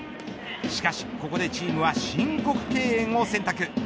しかし、ここでチームは申告敬遠を選択。